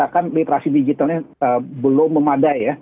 kan literasi digitalnya belum memadai ya